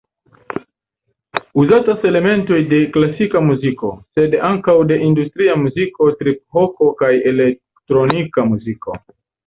Uzatas elementoj de klasika muziko, sed ankaŭ de industria muziko, trip-hopo kaj elektronika muziko.